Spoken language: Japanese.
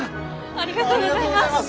ありがとうございます！